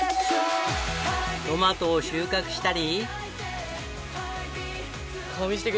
トマトを収穫したり。